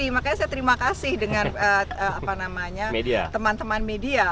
makanya saya terima kasih dengan teman teman media